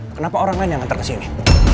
kenapa orang lain yang ngantar ke sini